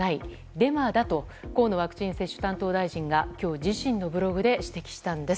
デマだと河野ワクチン接種担当大臣が今日、自身のブログで指摘したんです。